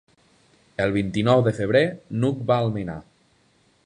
El vint-i-nou de febrer n'Hug va a Almenar.